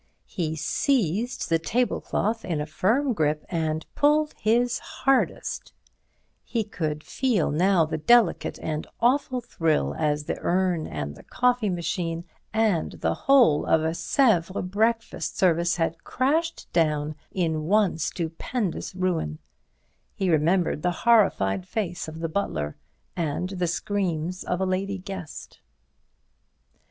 He seized the tablecloth in a firm grip and pulled his hardest—he could feel now the delicate and awful thrill as the urn and the coffee machine and the whole of a Sèvres breakfast service had crashed down in one stupendous ruin—he remembered the horrified face of the butler, and the screams of a lady guest.